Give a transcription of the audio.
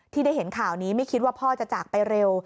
ที่ได้เห็นข่าวนี้ไม่คิดว่าพ่อจะจากไปเร็ว